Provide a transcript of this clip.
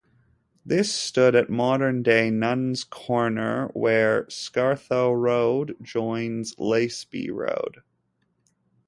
This stood at modern day Nuns Corner, where Scartho Road joins Laceby Road.